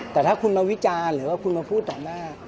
แต่ถ้าคุณมาวิจารณ์หรือว่าคุณมาพูดต่อหน้า